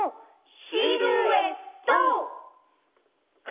シルエット！